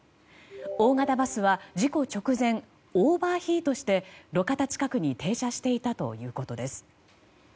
大型バスは事故直前オーバーヒートして路肩近くに停車していたということです。